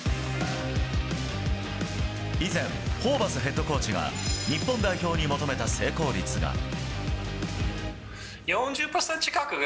以前、ホーバスヘッドコーチが日本代表に求めた成功率が。